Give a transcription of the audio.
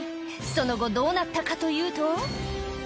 その後、どうなったかというと。